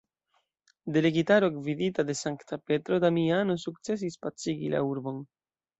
Delegitaro, gvidita de sankta Petro Damiano sukcesis pacigi la urbon.